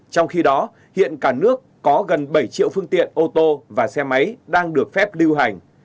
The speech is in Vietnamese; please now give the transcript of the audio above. trong khi đó hiện cả nước có gần bảy triệu phương tiện ô tô và xe máy đang được phép lưu hành